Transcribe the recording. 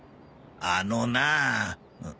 あのなあ。